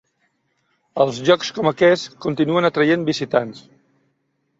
Els llocs com aquests continuen atraient visitants.